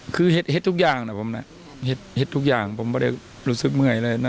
คือเห็ดทุกอย่างนะผมนะเห็ดทุกอย่างผมไม่เรียนรู้สึกไหน